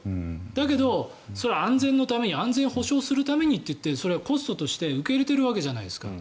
だけど、それは安全のために安全を保障するためにと言ってそれはコストとして受け入れているわけじゃないですか。